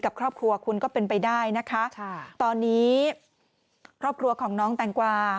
กับครอบครัวคุณก็เป็นไปได้นะคะตอนนี้ครอบครัวของน้องแตงกวา